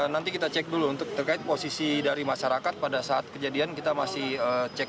nanti kita cek dulu untuk terkait posisi dari masyarakat pada saat kejadian kita masih cek